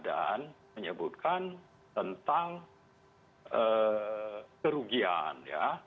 dan menyebutkan tentang kerugian